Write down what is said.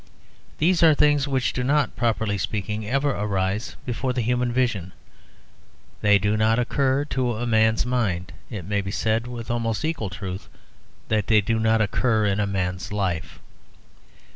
These are things which do not, properly speaking, ever arise before the human vision. They do not occur to a man's mind; it may be said, with almost equal truth, that they do not occur in a man's life.